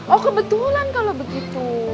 oh kebetulan kalau begitu